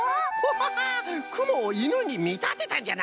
ハハくもをいぬにみたてたんじゃな！